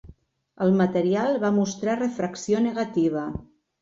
El material va mostrar refracció negativa.